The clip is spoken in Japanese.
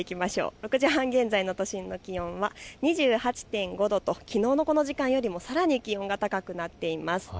６時半現在の都心の気温は２８．５度ときのうのこの時間よりもさらに気温が高くなっています。